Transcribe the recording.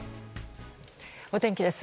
お天気です。